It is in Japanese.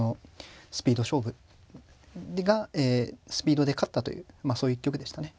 スピード勝負スピードで勝ったというそういう一局でしたね。